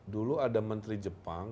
dulu ada menteri jepang